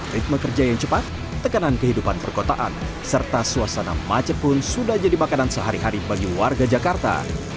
ritme kerja yang cepat tekanan kehidupan perkotaan serta suasana macet pun sudah jadi makanan sehari hari bagi warga jakarta